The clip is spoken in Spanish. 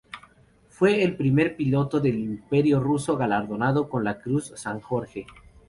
Fue el primer piloto del Imperio Ruso galardonado con la Cruz San Jorge.